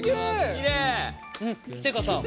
きれい！っていうかさ